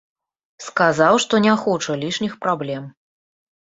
Сказаў, што не хоча лішніх праблем.